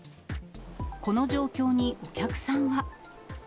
この状況にお客さんは。